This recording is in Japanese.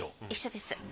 一緒です。